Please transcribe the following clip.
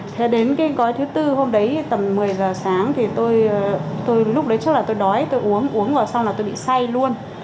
thế đến cái gói thứ tư hôm đấy tầm một mươi giờ sáng thì tôi lúc đấy chút là tôi nói tôi uống uống rồi xong là tôi bị say luôn